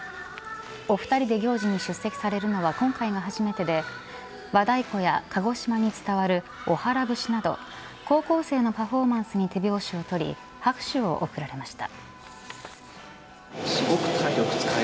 お二人で行事に出席されるのは今回が初めてで和太鼓や鹿児島に伝わるおはら節など高校生のパフォーマンスに手拍子を取り拍手を送られました。